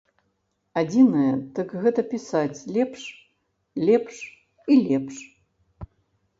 Адзінае, дык гэта пісаць лепш, лепш і лепш.